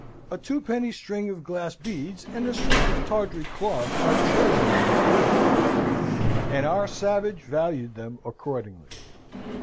A twopenny string of glass beads and a strip of tawdry cloth are treasures in Iroquois land, and our savage valued them accordingly.